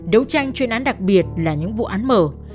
đấu tranh chuyên án đặc biệt là những vụ án mở